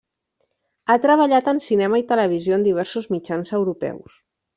Ha treballat en cinema i televisió en diversos mitjans europeus.